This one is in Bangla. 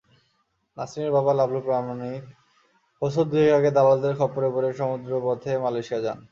নাসরিনের বাবা লাভলু প্রামাণিক বছর দুয়েক আগে দালালদের খপ্পরে পড়ে সমুদ্রপথে মালয়েশিয়া যান।